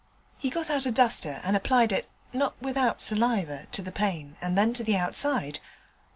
He got out a duster and applied it, not without saliva, to the pane and then to the outside.